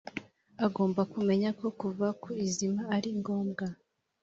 agomba kumenya ko kuva ku izima ari ngombwa: